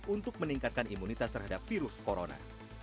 untuk meningkatkan imunitas terhadap virus corona